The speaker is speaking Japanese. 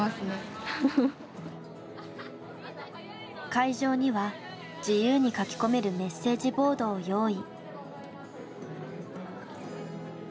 会場には自由に書き込めるメッセージボードを用意。